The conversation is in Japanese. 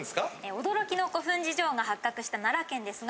驚きの古墳事情が発覚した奈良県ですが。